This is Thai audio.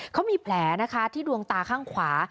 เขามีแผลนะคะที่ดวงตาข้างขวา